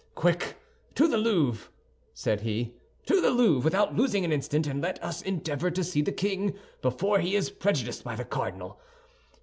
"Quick to the Louvre," said he, "to the Louvre without losing an instant, and let us endeavor to see the king before he is prejudiced by the cardinal.